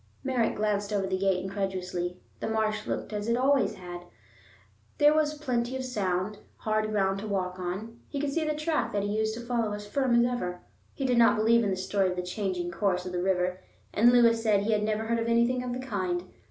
Merritt glanced over the gate incredulously. The marsh looked as it had always looked; there was plenty of sound, hard ground to walk on; he could see the track that he used to follow as firm as ever. He did not believe in the story of the changing course of the river, and Lewis said he had never heard of anything of the kind.